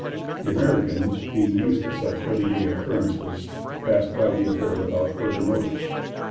The American, being used to such every day occurrences, passed by the affair without further notice.